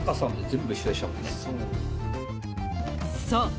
［そう！